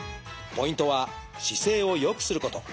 ポイントは姿勢を良くすること。